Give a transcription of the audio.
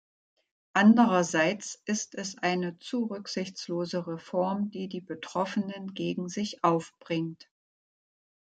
Andererseits ist es eine zu rücksichtslose Reform, die die Betroffenen gegen sich aufbringt.